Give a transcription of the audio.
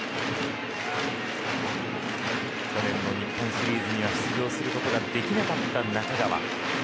去年の日本シリーズには出場することができなかった中川。